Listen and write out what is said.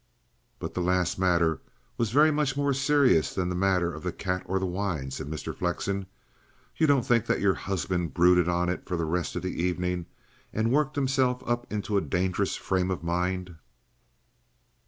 "But the last matter was very much more serious than the matter of the cat or the wine," said Mr. Flexen. "You don't think that your husband brooded on it for the rest of the evening and worked himself up into a dangerous frame of mind?"